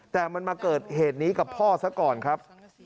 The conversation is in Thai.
แต่มันมาเกิดเหตุนี้กับพ่อซะก่อนครับ